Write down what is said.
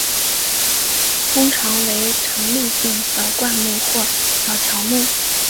通常为常绿性小灌木或小乔木。